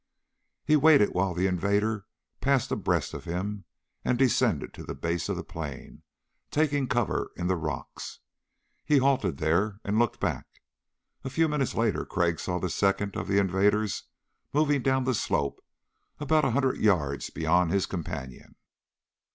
He waited while the invader passed abreast of him and descended to the base of the plain, taking cover in the rocks. He halted there and looked back. A few moments later Crag saw the second of the invaders moving down the slope about a hundred yards beyond his companion.